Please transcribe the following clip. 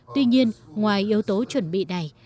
tuy nhiên ngoài yếu tố chuẩn bị này